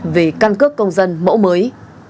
về căn cứ công dân mẫu mới